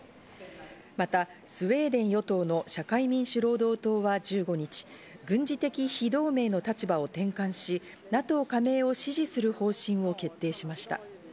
またスウェーデン与党の社会民主労働党は１５日、軍事的非同盟の立場を転換し、ＮＡＴＯ加盟を支持する方針を決定しました。